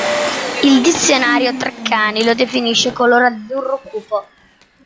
Il dizionario Treccani lo definisce color azzurro cupo.